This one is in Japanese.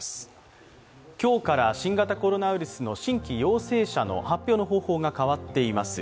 今日から新型コロナウイルスの新規陽性者の発表の方法が変わっています。